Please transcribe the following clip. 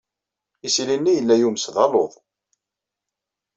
Isili-nni yella yumes d aluḍ.